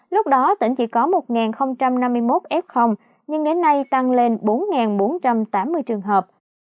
lúc đó tỉnh chỉ có một năm mươi một f nhưng đến nay tăng lên bốn bốn trăm tám mươi trường hợp